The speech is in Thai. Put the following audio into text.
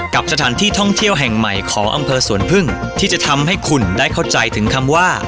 กับสถานที่ท่องเที่ยวแห่งใหม่ของอำเภอสวนพึ่งที่จะทำให้คุณได้เข้าใจถึงคำว่า